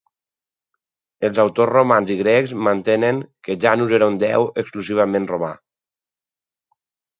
Els autors romans i grecs mantenen que Janus era un déu exclusivament romà.